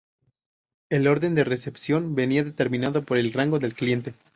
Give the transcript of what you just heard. El orden de recepción venía determinado por el rango del cliente.